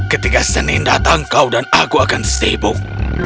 ketika senin datang kau dan aku akan sibuk